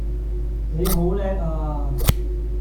你好叻啊